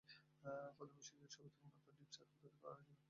প্রথম বিশ্বযুদ্ধে সর্বাধিক উন্নত ডিপ সার্কেল তৈরি করা হয়েছিল।